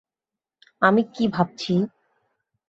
আমি কী ভাবছি?